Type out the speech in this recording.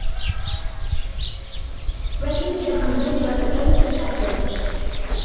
Residents have complained about the presence of sex workers.